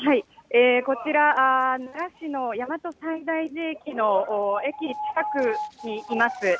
こちら奈良市の大和西大寺駅近くにいます。